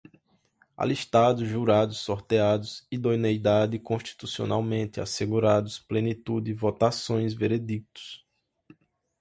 alistados, jurados, sorteados, idoneidade, constitucionalmente, assegurados, plenitude, votações, veredictos